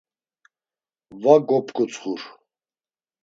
Va gop̌ǩutsxur.